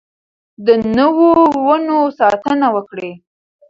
د نويو ونو ساتنه وکړئ.